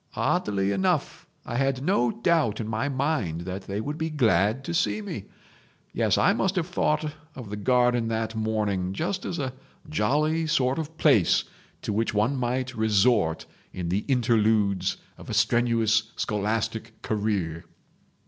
Oddly enough I had no doubt in my mind that they would be glad to see me ... Yes, I must have thought of the garden that morning just as a jolly sort of place to which one might resort in the interludes of a strenuous scholastic career.